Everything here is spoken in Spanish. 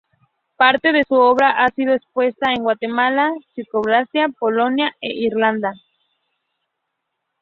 Parte de su obra ha sido expuesta en Guatemala, Checoslovaquia, Polonia e Irlanda.